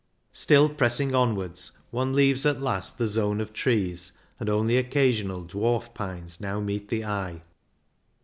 Still pressing onwards, one leaves at last the zone of trees, and only occasional dwarf pines now meet the eye.